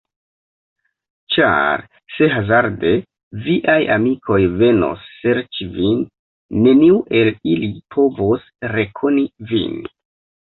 Ĉar se hazarde viaj amikoj venos serĉi vin, neniu el ili povos rekoni vin.